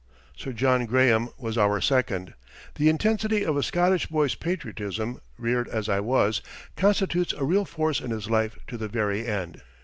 Sir John Graham was our second. The intensity of a Scottish boy's patriotism, reared as I was, constitutes a real force in his life to the very end.